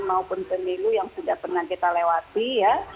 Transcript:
maupun pemilu yang sudah pernah kita lewati ya